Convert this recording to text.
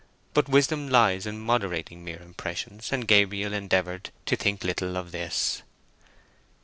But wisdom lies in moderating mere impressions, and Gabriel endeavoured to think little of this.